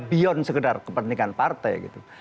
beyond sekedar kepentingan partai gitu